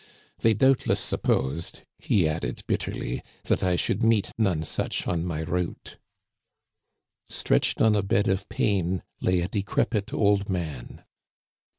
They doubtless supposed," he added bitterly, " that I should meet none such on my route." Stretched on a bed of pain lay a decrepit old man.